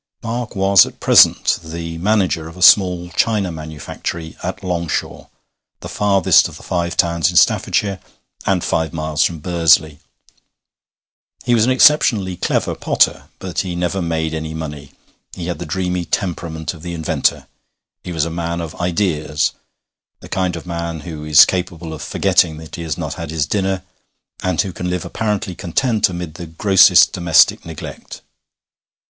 Mark was at present the manager of a small china manufactory at Longshaw, the farthest of the Five Towns in Staffordshire, and five miles from Bursley. He was an exceptionally clever potter, but he never made money. He had the dreamy temperament of the inventor. He was a man of ideas, the kind of man who is capable of forgetting that he has not had his dinner, and who can live apparently content amid the grossest domestic neglect.